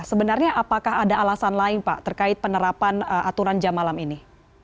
sebenarnya apakah ada alasan lain pak terkait penerapan aturan jam malam ini